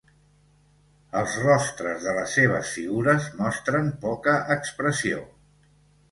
Els rostres de les seves figures mostren poca expressió.